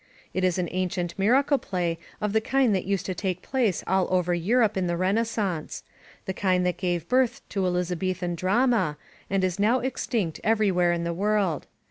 It is an ancient miracle play of the kind that used to take place all over Europe in the Renaissance, — ^the S09 INSURGENT MEXICO kind that gave birth to Elizabethan drama, and is now extinct everywhere in the world.